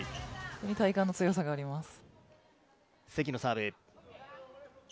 体幹の強さがあります。